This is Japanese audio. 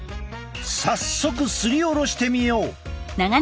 早速すりおろしてみよう！